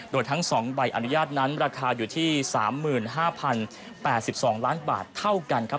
โดยทั้ง๒ใบอนุญาตนั้นราคาอยู่ที่๓๕๐๘๒ล้านบาทเท่ากันครับ